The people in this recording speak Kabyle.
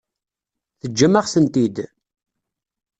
Teǧǧam-aɣ-tent-id?